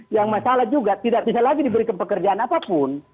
yang masalah juga tidak bisa lagi diberi kepekerjaan apapun